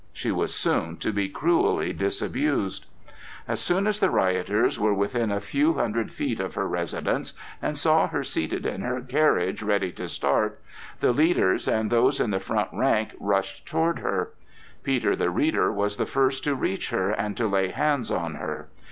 She was soon to be cruelly disabused. As soon as the rioters were within a few hundred feet of her residence and saw her seated in her carriage ready to start, the leaders and those in the front rank rushed toward her. Peter, the reader, was the first to reach her and to lay hands on her.